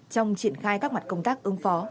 trong triển khai các mặt công tác ứng phó